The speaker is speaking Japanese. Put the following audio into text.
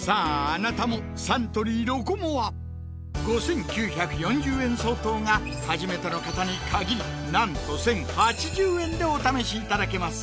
あなたもサントリー「ロコモア」５９４０円相当が初めての方に限りなんと１０８０円でお試しいただけます